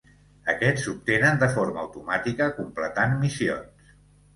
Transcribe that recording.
Aquests s'obtenen de forma automàtica completant missions.